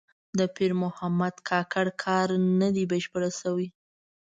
د پیر محمد کاکړ کار نه دی بشپړ شوی.